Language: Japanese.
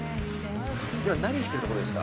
今何してるとこでした？